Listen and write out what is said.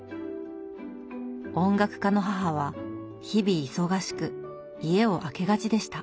音楽家の母は日々忙しく家を空けがちでした。